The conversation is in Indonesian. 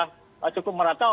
sudah cukup merata